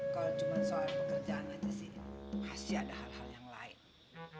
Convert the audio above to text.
kalau cuma soal pekerjaan aja sih pasti ada hal hal yang lain